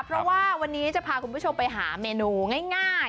เพราะว่าวันนี้จะพาคุณผู้ชมไปหาเมนูง่าย